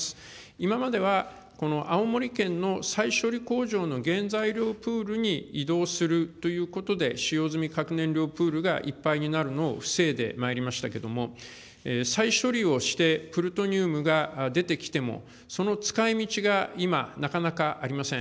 今まではこの青森県の再処理工場の原材料プールに移動するということで、使用済み核燃料プールがいっぱいになるのを防いでまいりましたけれども、再処理をしてプルトニウムが出てきても、その使いみちが今、なかなかありません。